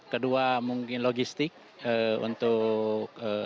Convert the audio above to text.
kedua mungkin logistik untuk